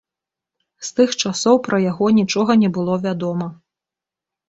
З тых часоў пра яго нічога не было вядома.